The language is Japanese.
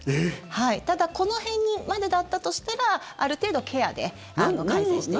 ただ、この辺までだったとしたらある程度ケアで改善していきます。